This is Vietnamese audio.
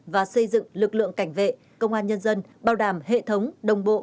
và xây dựng lực lượng cảnh vệ công an nhân dân bảo đảm hệ thống đồng bộ